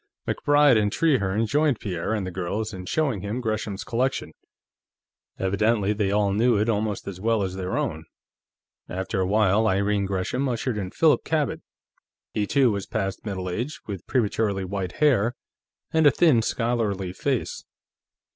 MacBride and Trehearne joined Pierre and the girls in showing him Gresham's collection; evidently they all knew it almost as well as their own. After a while, Irene Gresham ushered in Philip Cabot. He, too, was past middle age, with prematurely white hair and a thin, scholarly face.